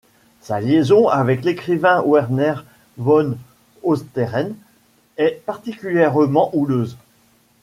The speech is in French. Sa liaison avec l'écrivain Werner von Oesteren est particulièrement houleuse.